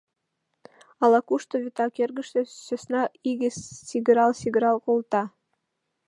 Ала-кушто, вӱта кӧргыштӧ, сӧсна иге сигырал-сигырал колта.